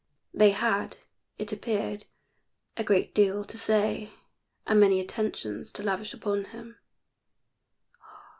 They had, it appeared, a great deal to say and many attentions to lavish upon him.